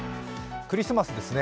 クリスマスですね。